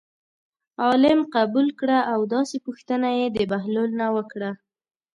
عالم قبول کړه او داسې پوښتنه یې د بهلول نه وکړه.